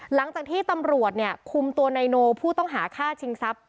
หลังจากที่ตำรวจเนี่ยคุมตัวนายโนผู้ต้องหาฆ่าชิงทรัพย